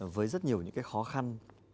với rất nhiều những cái khó khăn